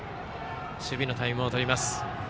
守備のタイムをとります。